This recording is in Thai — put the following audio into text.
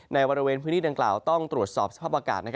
ในบริเวณพื้นที่ดังกล่าวต้องตรวจสอบสภาพอากาศ